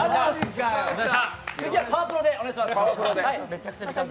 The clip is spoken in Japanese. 次はパワプロでお願いします。